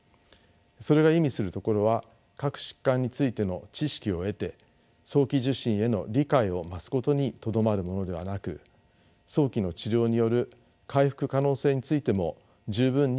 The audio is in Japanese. それが意味するところは各疾患についての知識を得て早期受診への理解を増すことにとどまるものではなく早期の治療による回復可能性についても十分に理解すること。